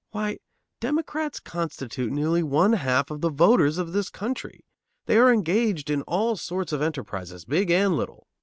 Why, Democrats constitute nearly one half the voters of this country. They are engaged in all sorts of enterprises, big and little.